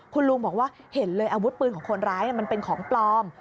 คุณลุงบอกว่าเห็นเลยอาวุธปืนของคนร้ายมันเป็นของปลอม